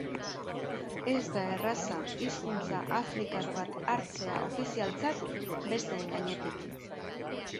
Ez da erraza hizkuntza afrikar bat hartzea ofizialtzat besteen gainetik.